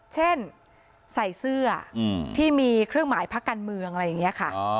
เช่นใส่เสื้อที่มีเครื่องหมายพักการเมืองอะไรอย่างนี้ค่ะ